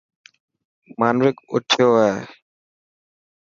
مانوڪ اٿيو هو.